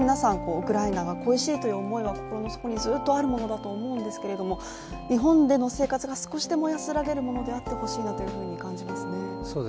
ウクライナが恋しいという思いは心の底にあると思うんですけど日本での生活が少しでも安らげるものであってほしいなと感じますね。